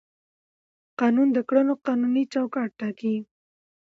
قانون د کړنو قانوني چوکاټ ټاکي.